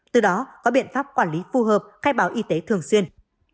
từ đó có biện pháp quản lý phù hợp khai báo y tế thường xuyên